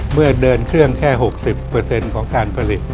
เมื่อเดินเครื่องแค่๖๐ของการผลิต